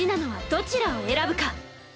どちらを選ぶか。